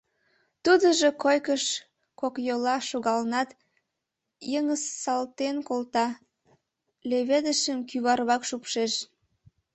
Тудыжо койкыш кокйола шогалынат, йыҥысалтен колта, леведышым кӱварвак шупшеш.